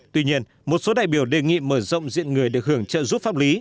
tuy nhiên một số đại biểu đề nghị mở rộng diện người được hưởng trợ giúp pháp lý